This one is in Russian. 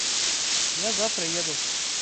Я завтра еду.